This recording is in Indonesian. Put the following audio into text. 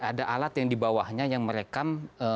ada alat yang di bawahnya yang merekam